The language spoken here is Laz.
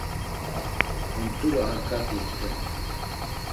Ont̆ule ar k̆at̆i ikten.